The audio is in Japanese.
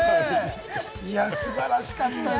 素晴らしかったです。